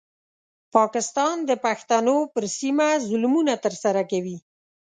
پاکستان د پښتنو پر سیمه ظلمونه ترسره کوي.